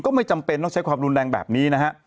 ไม่จำเป็นต้องใช้ความรุนแรงแบบนี้นะฮะ